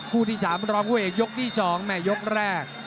ที่๓รองคู่เอกยกที่๒แม่ยกแรก